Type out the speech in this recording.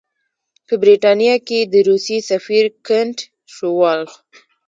په برټانیه کې د روسیې سفیر کنټ شووالوف.